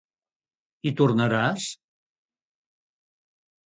Hi tornaràs?